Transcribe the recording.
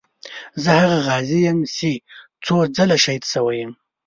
زه هغه غازي یم چې څو ځله شهید شوی یم.